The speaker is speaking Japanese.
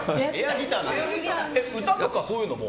歌とかそういうのも？